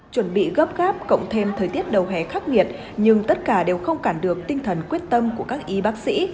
chuẩn bị gấp gáp cộng thêm thời tiết đầu hè khắc nghiệt nhưng tất cả đều không cản được tinh thần quyết tâm của các y bác sĩ